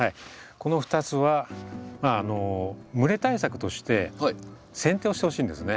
この２つは蒸れ対策としてせん定をしてほしいんですね。